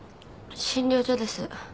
診療所です。